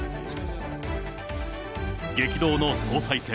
激動の総裁選。